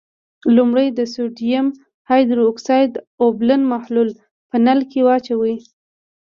لومړی د سوډیم هایدرو اکسایډ اوبلن محلول په نل کې واچوئ.